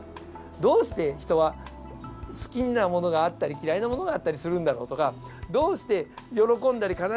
どうして人は好きなものがあったり嫌いなものがあったりするんだろうとかどうして喜んだり悲しんだりするんだろうと。